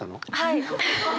はい。